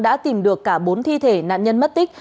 đã tìm được cả bốn thi thể nạn nhân mất tích